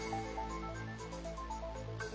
มีคำถามแปลง